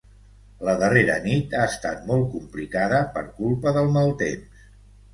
La darrera nit ha estat molt complicada per culpa del mal temps.